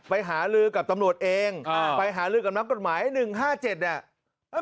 ไปหาลือกับตำรวจเองไปหาลือกับนักกฎหมาย๑๕๗เนี่ย